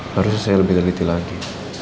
harusnya saya lebih teliti lagi